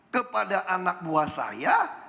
kepada anak buah saya